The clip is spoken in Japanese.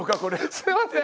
すいません。